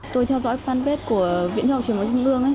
tôi theo dõi fanpage của viện huyết học và chuyển máu trung ương